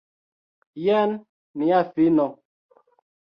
Jen mia fino!